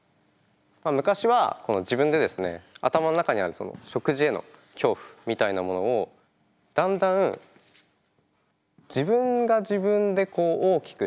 昔は自分でですね頭の中にある食事への恐怖みたいなものをだんだん自分が自分でこう大きくしていたみたいな。